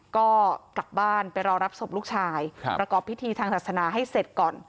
ก็กลับบ้านไปรอรับศพลูกชายประกอบพิธีทางศาสนาให้เสร็จก่อน